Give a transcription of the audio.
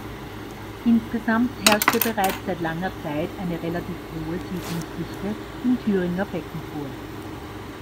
Insgesamt herrschte bereits seit langer Zeit eine relativ hohe Siedlungsdichte im Thüringer Becken vor.